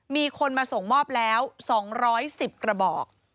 มีคนมาส่งมอบแล้ว๒๑๐กระบอก